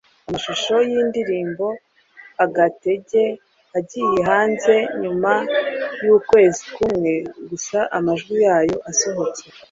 Amashusho y’indirimbo “Agatege” agiye hanze nyuma y’ukwezi kumwe gusa amajwi yayo asohotse